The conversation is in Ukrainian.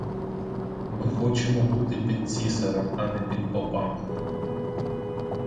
Ми хочемо бути під цісарем, а не під попами.